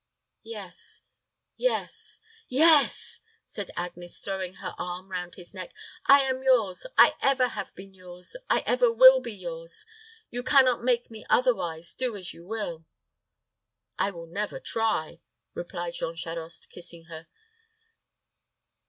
"Yes, yes yes!" said Agnes, throwing her arm round his neck. "I am yours. I ever have been yours. I ever will be yours. You can not make me otherwise, do as you will." "I will never try," replied Jean Charost, kissing her.